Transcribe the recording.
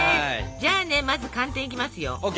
じゃあねまず寒天いきますよ。